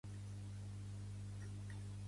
Viu al Canadà, els Estats Units i Mèxic.